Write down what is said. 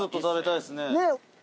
食べたいっすね。